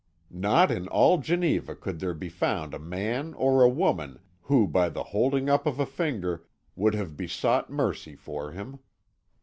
Not in all Geneva could there be found a man or a woman who, by the holding up of a finger, would have besought mercy for him.